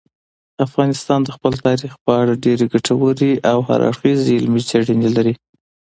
افغانستان د خپل تاریخ په اړه ډېرې ګټورې او هر اړخیزې علمي څېړنې لري.